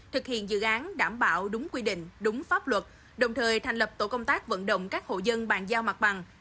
thực hiện dự án đảm bảo đúng quy định đúng pháp luật đồng thời thành lập tổ công tác vận động các hộ dân bàn giao mặt bằng